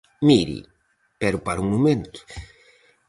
Mire, pero pare un momento.